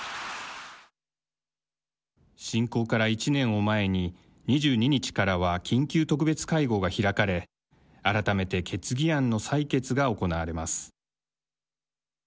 侵攻から１年を前に２２日からは緊急特別会合が開かれ改めて決議案の採決が行われます。